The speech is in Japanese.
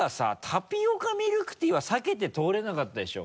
タピオカミルクティーは避けて通れなかったでしょ？